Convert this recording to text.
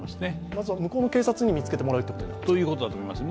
まずは向こうの警察に見つけてもらうということですね。